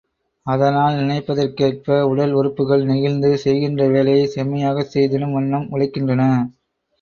அதனால் நினைப்பதற்கேற்ப உடல் உறுப்புக்கள் நெகிழ்ந்து, செய்கின்ற வேலையை செம்மையாகச் செய்திடும் வண்ணம் உழைக்கின்றன.